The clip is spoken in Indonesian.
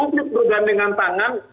publik bergandengan tangan